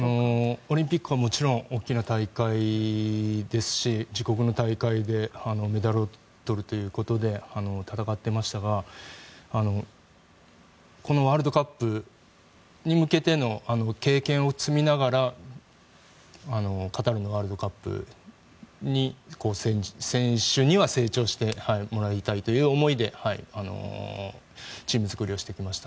オリンピックはもちろん大きな大会ですし自国の大会でメダルを取るということで戦っていましたがこのワールドカップに向けての経験を積みながらカタールのワールドカップに選手には成長してもらいたいという思いでチーム作りをしてきました。